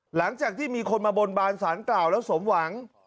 หลังจากที่มีคนมาบนบานสารกล่าวแล้วสมหวัง